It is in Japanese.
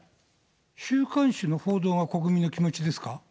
週刊誌の報道が国民の気持ちですか？